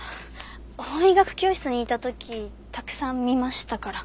法医学教室にいた時たくさん見ましたから。